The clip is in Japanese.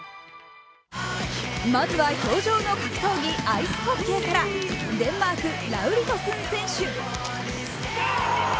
まずは氷上の格闘技、アイスホッケーから、デンマーク、ラウリトスン選手。